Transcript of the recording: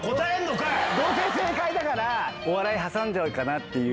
どうせ正解だから、お笑い挟んじゃうかなっていう。